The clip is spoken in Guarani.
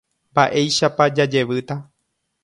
Mba'éichapa jajevýta.